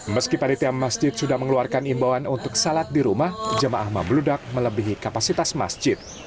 meski panitia masjid sudah mengeluarkan imbauan untuk salat di rumah jemaah membeludak melebihi kapasitas masjid